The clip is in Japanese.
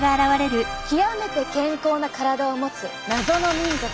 極めて健康な体を持つ謎の民族。